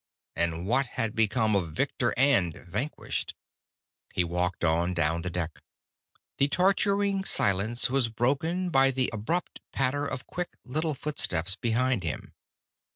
And what had become of victor and vanquished? He walked on down the deck. The torturing silence was broken by the abrupt patter of quick little footsteps behind him.